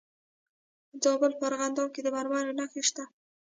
د زابل په ارغنداب کې د مرمرو نښې شته.